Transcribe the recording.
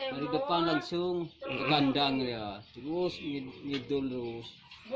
dari depan langsung ke gandang ya terus ngedul terus